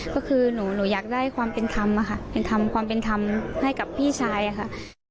ก็คือหนูหนูอยากได้ความเป็นทำอ่ะค่ะเป็นทำความเป็นทำให้กับพี่ชายอ่ะค่ะ